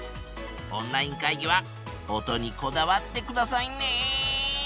オンライン会議は音にこだわってくださいね。